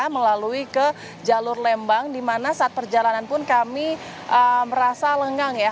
melalui ke jalur lembang di mana saat perjalanan pun kami merasa lengang ya